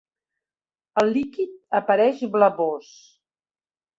El líquid apareix blavós.